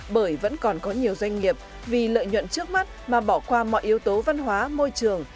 bởi vẫn còn có nhiều doanh nghiệp vì lợi nhuận trước mắt mà bỏ qua mọi yếu tố văn hóa môi trường